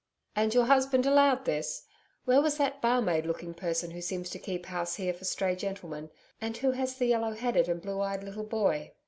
'And your husband allowed this? But where was that barmaid looking person who seems to keep house here for stray gentlemen and, who has the yellow headed and blue eyed little boy?'